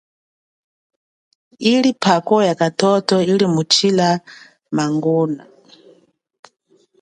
Yili phako yakathotho kalimutshila mangona.